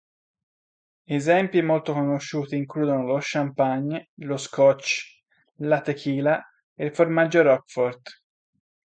Esempi molto conosciuti includono lo Champagne, lo Scotch, la Tequila e il formaggio Roquefort.